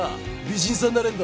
美人さん？